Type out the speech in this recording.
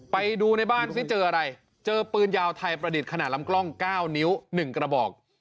ไปดูในบ้านซิเจออะไรเจอปืนยาวไทยประดิษฐ์ขนาดลำกล้อง๙นิ้ว๑กระบอก